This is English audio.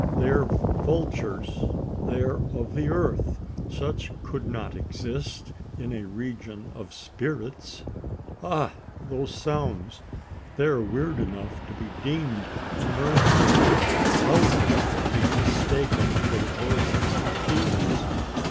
They are vultures. They are of the earth. Such could not exist in a region of spirits? Ah! those sounds! they are weird enough to be deemed unearthly wild enough to be mistaken for the voices of demons.